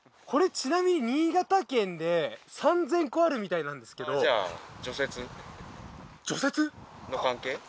これちなみに新潟県で３０００個あるみたいなんですけど除雪？の関係？